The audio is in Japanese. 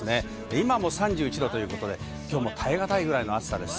今も３１度ということできょうも耐えがたいぐらいの暑さです。